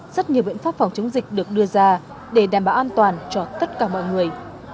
rất nhiều biện pháp phòng chống dịch được đưa ra để đảm bảo an toàn cho tất cả mọi người